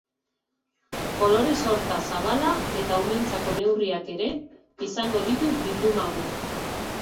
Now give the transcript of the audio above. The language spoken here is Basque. Kolore sorta zabala eta umeentzako neurriak ere izango ditu bilduma honek.